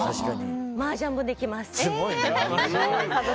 マージャンもできます。